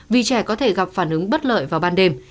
vì trẻ có thể gặp phản ứng bất lợi vào ban đêm